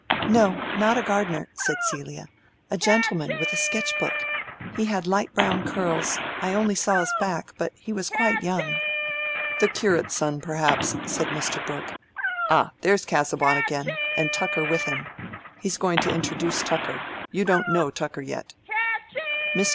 "No, not a gardener," said Celia; "a gentleman with a sketch book. He had light brown curls. I only saw his back. But he was quite young." "The curate's son, perhaps," said Mr. Brooke. "Ah, there is Casaubon again, and Tucker with him. He is going to introduce Tucker. You don't know Tucker yet." Mr.